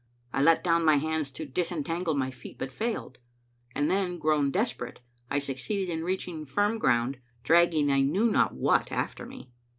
I let down my hands to disentangle my feet, but failed ; and then, grown desperate, I succeeded in reaching firm ground, dragging I knew not what after me.